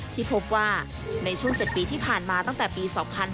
ที่พบว่าในช่วง๗ปีที่ผ่านมาตั้งแต่ปี๒๕๕๙